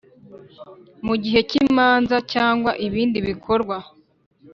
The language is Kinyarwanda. Mu gihe cy imanza cyangwa ibindi bikorwa